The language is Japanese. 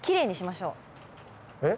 え？